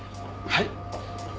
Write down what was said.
はい。